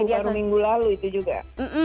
bukan minggu lalu itu juga